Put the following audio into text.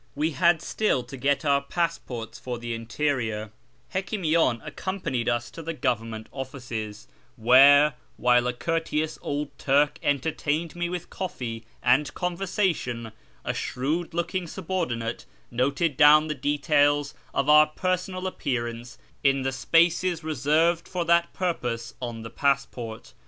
22 A YEAR AMONGST THE PERSIANS This business concluded, wc liad still to get our passports for the interior, llekiniian accompanied us to the Govern ment olUccs, where, while a courteous old Turk entertained me with coffee and conversation, a shrewd looking subordinate noted down the details of our personal appearance in the spaces reserved for that purpose on the passport.